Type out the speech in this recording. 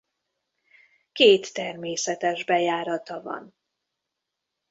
Két természetes bejárata van.